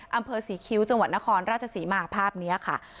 อำเภอศรีคิ้วจังหวัดนครราชศรีมาภาพนี้ค่ะ